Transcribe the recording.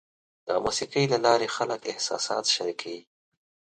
د موسیقۍ له لارې خلک احساسات شریکوي.